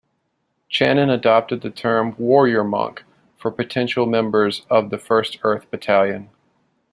Channon adopted the term "warrior monk" for potential members of the First Earth Battalion.